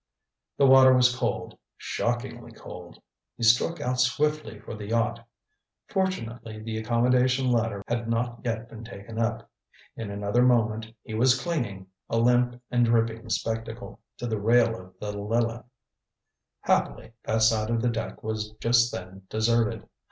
The water was cold, shockingly cold. He struck out swiftly for the yacht. Fortunately the accommodation ladder had not yet been taken up; in another moment he was clinging, a limp and dripping spectacle, to the rail of the Lileth. Happily that side of the deck was just then deserted.